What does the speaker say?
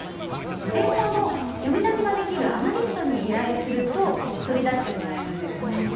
データの読み出しができるアナリストに依頼すると取り出してもらえるんですね。